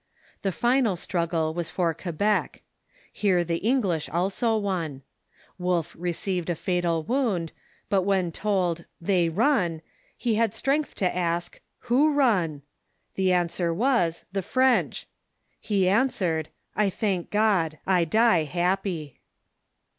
The final struggle was for Quebec. Here the English also won. Wolfe received a fatal wound, but when told " They run !" he had strength to ask, " Who run ?" The answer was, " The French." He answered, " I thank God ; I die happy."